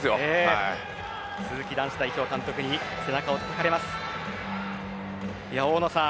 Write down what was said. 鈴木男子代表監督に背中を叩かれていました。